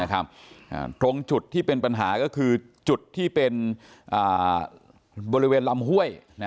ตรงจุดที่เป็นปัญหาก็คือจุดที่เป็นบริเวณลำห้วย